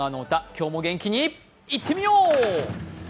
今日も元気にいってみよう！